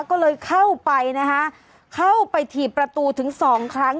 ก็เลยเข้าไปนะคะเข้าไปถีบประตูถึงสองครั้ง